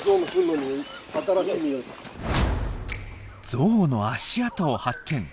ゾウの足跡を発見！